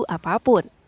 alat bantu apapun